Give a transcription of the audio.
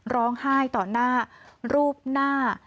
ร้องไห้ต่อหน้ารูปหน้า